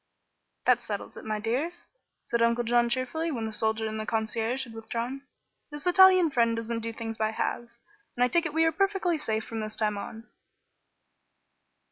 "That settles it, my dears," said Uncle John, cheerfully, when the soldier and the concierge had withdrawn. "This Italian friend doesn't do things by halves, and I take it we are perfectly safe from this time on."